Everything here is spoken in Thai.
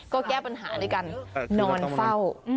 ก็แก้ปัญหาด้วยการนอนเฝ้า